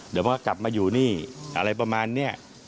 เดี๋ยวพอกลับมาอยู่นี่อะไรประมาณนี้